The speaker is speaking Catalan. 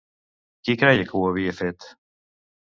Qui creia que ho havia fet?